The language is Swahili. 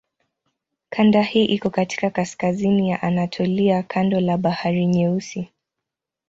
Kanda hii iko katika kaskazini ya Anatolia kando la Bahari Nyeusi.